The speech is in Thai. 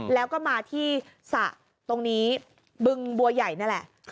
แล้วก็มาที่สระตรงนี้บึงบัวใหญ่นั่นแหละ